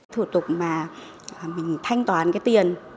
thủ tục mà mình thanh toán cái tiền